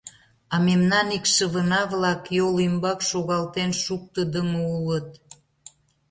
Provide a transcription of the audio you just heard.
А мемнан икшывына-влак йол ӱмбак шогалтен шуктыдымо улыт.